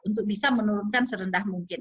untuk bisa menurunkan serendah mungkin